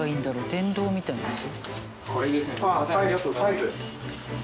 電動みたいなやつ？